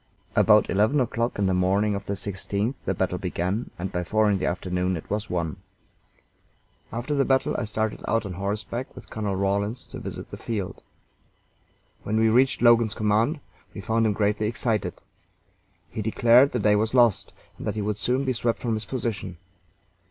About eleven o'clock in the morning of the 16th the battle began, and by four in the afternoon it was won. After the battle I started out on horseback with Colonel Rawlins to visit the field. When we reached Logan's command we found him greatly excited. He declared the day was lost, and that he would soon be swept from his position.